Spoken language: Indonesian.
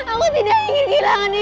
aku tidak ingin kehilangan ibu dia